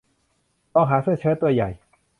ลองหาเสื้อเชิ้ตตัวใหญ่